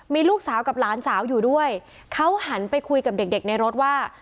มีลูกสาวกับหลานสาวอยู่ด้วยเขาหันไปคุยกับเด็กเด็กในรถว่า